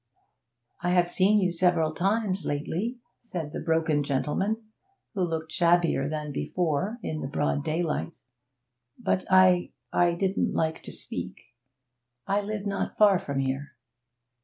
'I have seen you several times lately,' said the broken gentleman, who looked shabbier than before in the broad daylight, 'but I I didn't like to speak. I live not far from here.'